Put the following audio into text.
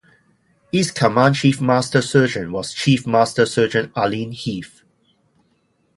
Its Command Chief Master Sergeant was Chief Master Sergeant Arleen Heath.